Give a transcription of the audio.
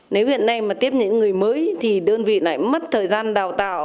nếu hiện nay mà tiếp những người mới thì đơn vị lại mất thời gian đào tạo